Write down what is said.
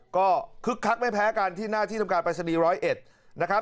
ก็คึกคักไม่แพ้กันที่หน้าที่ทำการปรายศนีย์๑๐๑นะครับ